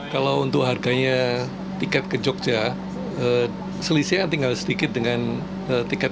kalau untuk harganya tiket ke jogja selisihnya tinggal sedikit dengan tiket